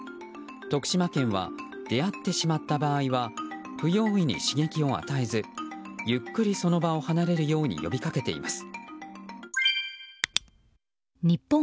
徳島県は出会ってしまった場合は不用意に刺激を与えずゆっくりその場を離れるように呼びかけています。